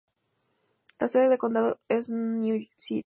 La sede de condado es New City.